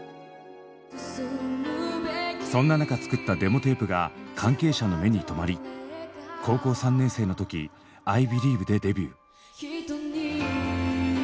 そんな中作ったデモテープが関係者の目にとまり高校３年生の時「Ｉｂｅｌｉｅｖｅ」でデビュー。